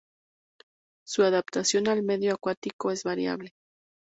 Su adaptación al medio acuático es variable.